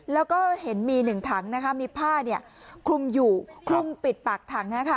แล้วก็เห็นมีหนึ่งถังนะคะมีผ้าเนี่ยคลุมอยู่คลุมปิดปากถังฮะค่ะ